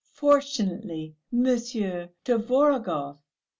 Fortunately Monsieur Tvorogov